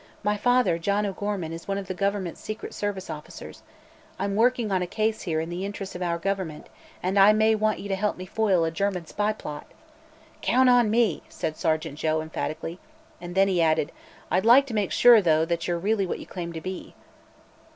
"My father, John O'Gorman, is one of the government's secret service officers; I'm working on a case here in the interests of our government, and I may want you to help me foil a German spy plot." "Count on me!" said Sergeant Joe, emphatically. And then he added: "I'd like to make sure, though, that you're really what you claim to be."